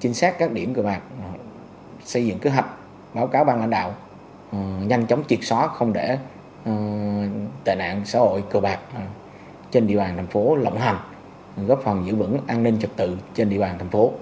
chính xác các điểm cơ bạc xây dựng cơ hạch báo cáo ban lãnh đạo nhanh chóng triệt xóa không để tài nạn xã hội cơ bạc trên địa bàn thành phố lộng hành góp phòng giữ vững an ninh trật tự trên địa bàn thành phố